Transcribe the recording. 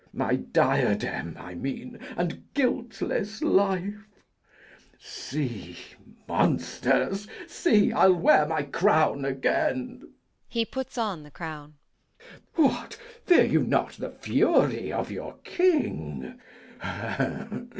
My diadem, I mean, and guiltless life. See, monsters, see! I'll wear my crown again. [Putting on the crown. What, fear you not the fury of your king?